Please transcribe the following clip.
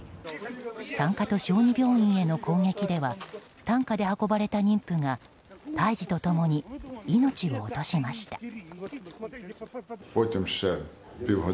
産科と小児病院への攻撃では担架で運ばれた妊婦が胎児と共に命を落としました。